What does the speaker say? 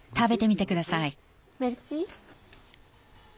メルシー。